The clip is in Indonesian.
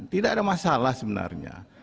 tidak ada masalah sebenarnya